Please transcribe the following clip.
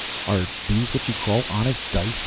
"Are these what you call honest dice?"